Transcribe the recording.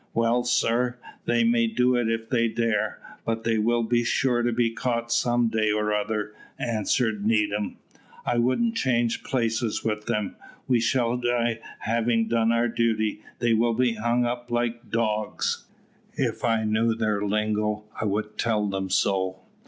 "Well, sir, they may do it if they dare, but they will be sure to be caught some day or other," answered Needham. "I wouldn't change places with them. We shall die having done our duty; they will be hung up like dogs. If I knew their lingo I would tell them so."